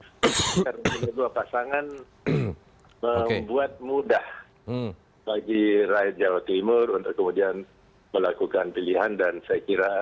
karena kedua pasangan membuat mudah bagi rakyat jawa timur untuk kemudian melakukan pilihan dan saya kira